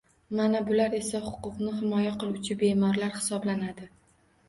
Mana bular esa — huquqni himoya qiluvchi bemorlar hisoblanadi.